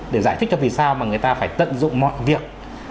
để giải thích cho vì sao mà người ta phải tận dụng mọi việc